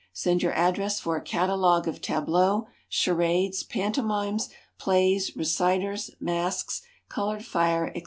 Send your address for a Catalogue of Tableaux, Charades, Pantomimes, Plays, Reciters, Masks, Colored Fire, &c.